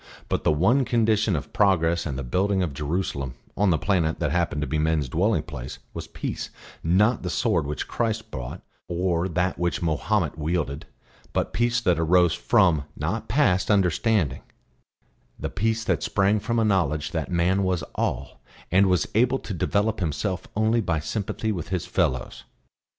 But the one condition of progress and the building of Jerusalem, on the planet that happened to be men's dwelling place, was peace, not the sword which Christ brought or that which Mahomet wielded; but peace that arose from, not passed, understanding; the peace that sprang from a knowledge that man was all and was able to develop himself only by sympathy with his fellows.